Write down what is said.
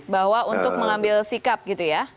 bahwa untuk mengambil sikap gitu ya